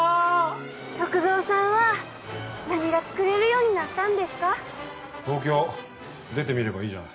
篤蔵さんは何が作れるようになったんですか東京出てみればいいじゃない